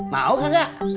mau gak kak